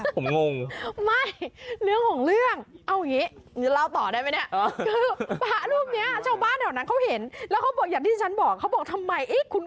ผมงงไม่เรื่องของเรื่องเอาอย่างนี้เล่าต่อได้ไหมเนี่ย